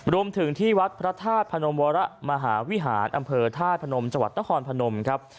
รวมถึงที่วัดพระธาตุพนมวรมหาวิหารอำเภอธาตุพนมจังหวัดนครพนมครับ